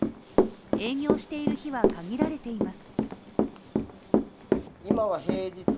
営業している日は限られています。